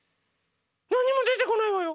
なにもでてこないわよ